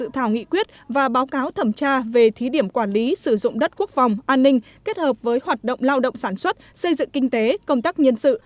thảo nghị quyết và báo cáo thẩm tra về thí điểm quản lý sử dụng đất quốc phòng an ninh kết hợp với hoạt động lao động sản xuất xây dựng kinh tế công tác nhân sự